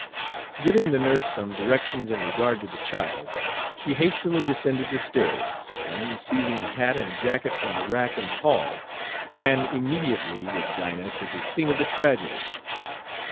Giving the nurse some directions in regard to the child, she hastily descended the stairs, and seizing a hat and jacket from the rack in the hall, ran immediately with Dinah to the scene of the tragedy.